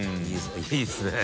いいですね。